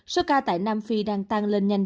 số ca tại nam phi đang tăng lên nhanh